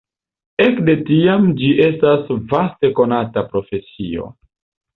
Ekde tiam ĝi estas vaste konata profesio.